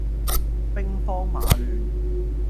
兵荒馬亂